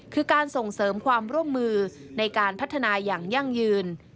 คือการส่งเสริมความร่วมมือในการพัฒนาอย่างยั่งยืน